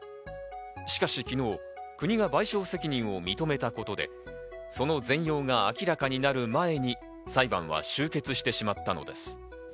しかし昨日、国が賠償責任を認めたことでその全容が明らかになる前に裁判は終結してしまったのです。